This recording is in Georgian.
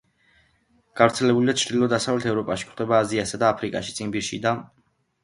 გავრცელებულია ჩრდილო-დასავლეთ ევროპაში, გვხვდება აზიასა და აფრიკაში, ციმბირში და კავკასიაში.